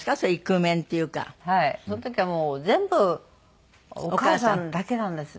その時はもう全部お母さんだけなんですね。